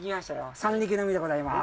三陸の海でございます。